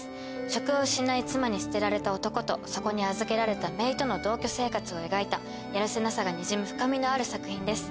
職を失い妻に捨てられた男とそこに預けられた姪との同居生活を描いたやるせなさがにじむ深みのある作品です。